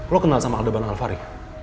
lo kenal sama aldebaran alvari